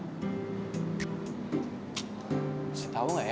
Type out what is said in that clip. masih tau gak ya